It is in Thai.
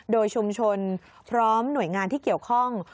โดยชุมชนพร้อมหน่วยงานที่เกี่ยวข้อง